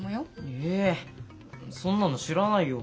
えそんなの知らないよ。